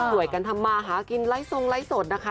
ช่วยกันทำมาหากินไล่ทรงไล่สดนะคะ